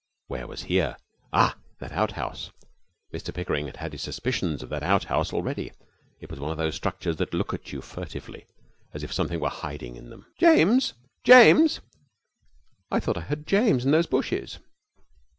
Where was here? Ah, that outhouse! Mr Pickering had had his suspicions of that outhouse already. It was one of those structures that look at you furtively as if something were hiding in them. 'James! James! I thought I heard James in those bushes.'